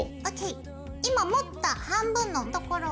今持った半分のところを。